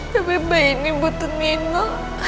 tapi bayi ini butuh nino